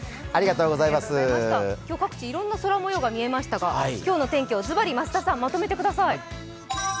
今日、各地いろんな空模様が見えましたが、今日の天気をズバリ、増田さんまとめてください。